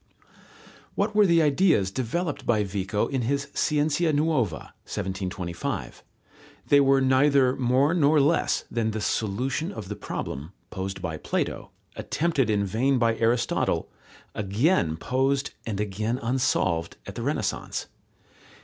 What were the ideas developed by Vico in his Scienza nuova (1725)? They were neither more nor less than the solution of the problem, posed by Plato, attempted in vain by Aristotle, again posed and again unsolved at the Renaissance.